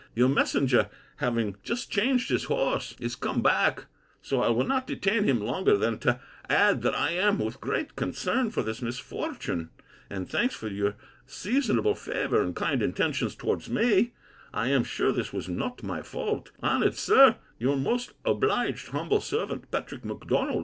Your messenger having just changed his horse, is come back: so I will not detain him longer than to add, that I am, with great concern for this misfortune, and thanks for your seasonable favour and kind intentions towards me—I am sure this was not my fault— Honoured Sir, Your most obliged, humble servant, PATRICK M'DONALD.